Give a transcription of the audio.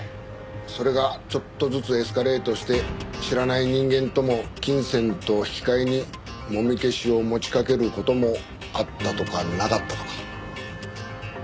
それがちょっとずつエスカレートして知らない人間とも金銭と引き換えにもみ消しを持ちかける事もあったとかなかったとか。